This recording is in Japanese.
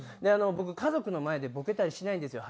僕家族の前でボケたりしないんですよ